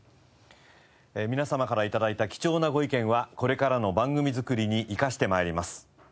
皆様から頂いた貴重なご意見はこれからの番組作りに生かしてまいります。